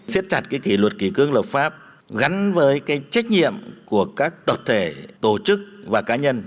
xét chặt cái kỷ luật kỷ cương lập pháp gắn với cái trách nhiệm của các tổ chức và cá nhân